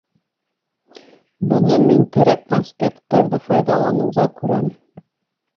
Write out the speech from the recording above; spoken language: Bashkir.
Быны мин терәк конспекттарҙы файҙаланыуҙа күрәм.